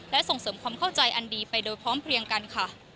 และส่งเสริมความเข้าใจอันดีไปโดยพร้อมเพลียงกันค่ะ